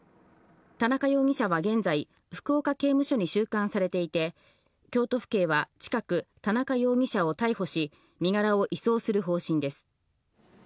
田中容疑者は現在、福岡刑務所に収監されていて、京都府警は近く田中容疑者を逮捕し、身柄を移送する方針です。